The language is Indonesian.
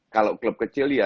kalau klub kecil ya